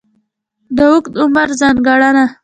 د اوږد عمر ځانګړنه.